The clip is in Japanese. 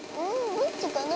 どっちかな？